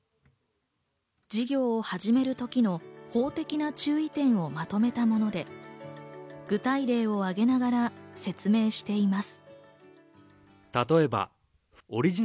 事業を始める時の法的な注意点をまとめたもので、具体例を挙げながら説明しています。